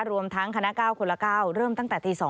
รวมทั้งคณะ๙คนละ๙เริ่มตั้งแต่ตี๒